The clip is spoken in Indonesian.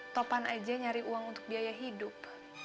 topan aja nyari uang untuk biaya hidup